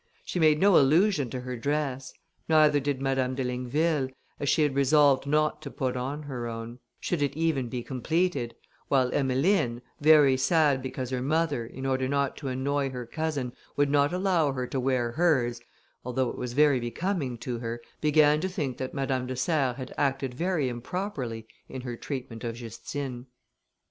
She made no allusion to her dress, neither did Madame de Ligneville, as she had resolved not to put on her own, should it even be completed; while Emmeline, very sad because her mother, in order not to annoy her cousin, would not allow her to wear hers, although it was very becoming to her, began to think that Madame de Serres had acted very improperly in her treatment of Justine.